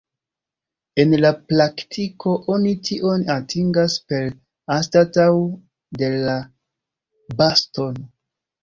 En la praktiko oni tion atingas per anstataŭo de la bas-tono.